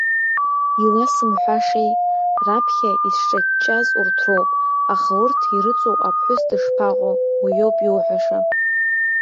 Иуасымҳәашеи, раԥхьа исҿаҷҷаз урҭ роуп, аха урҭ ирыҵоу аԥҳәыс дышԥаҟоу, уиоуп иуҳәаша.